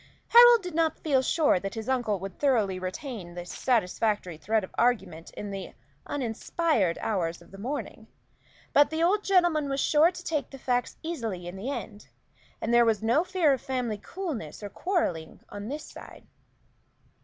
Harold did not feel sure that his uncle would thoroughly retain this satisfactory thread of argument in the uninspired hours of the morning; but the old gentleman was sure to take the facts easily in the end, and there was no fear of family coolness or quarrelling on this side.